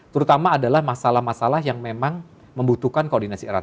terutama adalah masalah masalah yang memang membutuhkan koordinasi erat